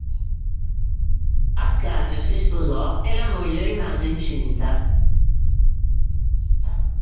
Ascanio si sposò e la moglie rimase incinta.